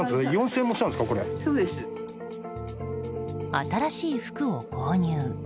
新しい服を購入。